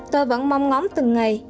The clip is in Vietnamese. tôi vẫn mong ngóng từng ngày